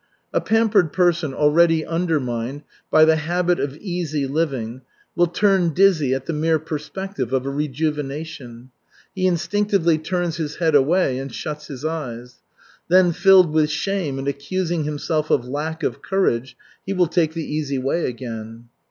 A pampered person already undermined by the habit of easy living will turn dizzy at the mere perspective of a rejuvenation. He instinctively turns his head away and shuts his eyes. Then filled with shame and accusing himself of lack of courage, he will take the easy way again.